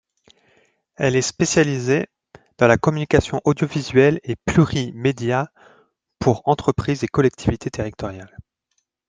Elle est spécialisée dans la communication audiovisuelle et pluri-media pour entreprises et collectivités territoriales.